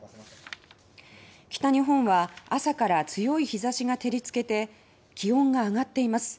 北日本は、朝から強い日差しが照り付けて気温が上がっています。